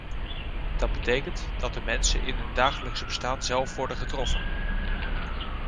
Dat betekent dat de mensen in hun dagelijkse bestaan zelf worden getroffen.